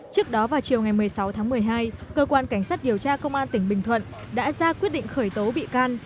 trước đó vào chiều ngày một mươi sáu tháng một mươi hai cơ quan cảnh sát điều tra công an tỉnh bình thuận đã ra quyết định khởi tố bị can